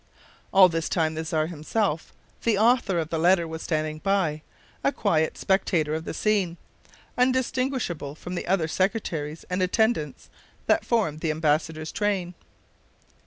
All this time the Czar himself, the author of the letter, was standing by, a quiet spectator of the scene, undistinguishable from the other secretaries and attendants that formed the embassadors' train.